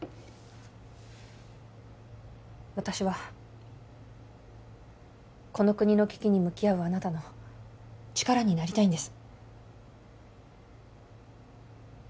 私はこの国の危機に向き合うあなたの力になりたいんです